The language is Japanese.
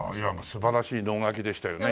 素晴らしい能書きでしたよね